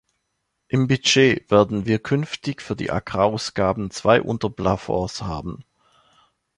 Im Budget werden wir künftig für die Agrarausgaben zwei Unterplafonds haben.